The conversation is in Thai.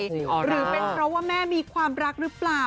หรือเป็นเพราะว่าแม่มีความรักหรือเปล่า